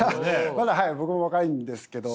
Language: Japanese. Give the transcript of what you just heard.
まだはい僕も若いんですけど。